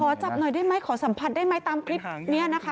จับหน่อยได้ไหมขอสัมผัสได้ไหมตามคลิปนี้นะคะ